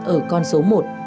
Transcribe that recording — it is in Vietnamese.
ở con số một